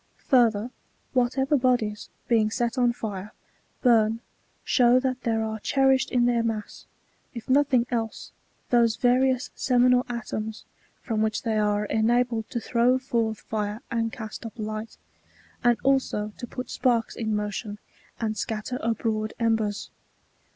Further, whatever bodies, being set on fire, burn, show that there are cherished in their mass, if nothing else, those various seminal atoms, from which they are enabled to throw forth fire and cast up light, and also to put sparks in motion, and scatter abroad embers.